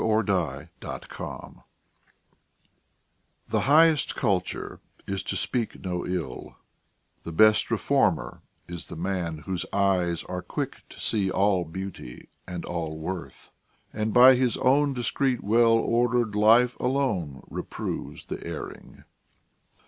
TRUE CULTURE The highest culture is to speak no ill, The best reformer is the man whose eyes Are quick to see all beauty and all worth; And by his own discreet, well ordered life, Alone reproves the erring.